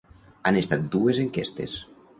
Han estat dues enquestes.